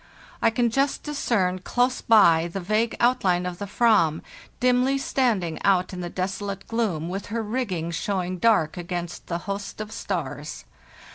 I can just discern close by the vague outline of the /vam, dimly standing out in the desolate gloom, with her rigging showing dark against the host of stars.